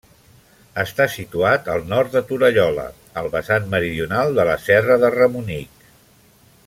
Està situat al nord de Torallola, al vessant meridional de la Serra de Ramonic.